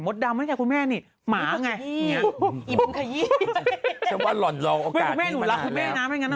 คุณแม่แต่เมื่อวานเป็นผ้าหนานะ